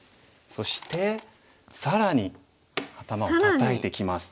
そして更に頭をタタいてきます。